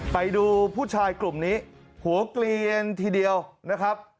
ไปดูผู้ชายกลุ่มนี้หัวเกลียนทีเดียวนะครับ